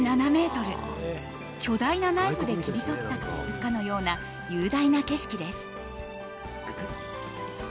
巨大なナイフで切りとったかような雄大な絶景です。